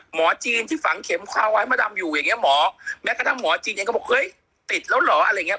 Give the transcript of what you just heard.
หมอจีนที่ฝังเข็มคาไว้มาดำอยู่อย่างเงี้หมอแม้กระทั่งหมอจีนเองก็บอกเฮ้ยติดแล้วเหรออะไรอย่างเงี้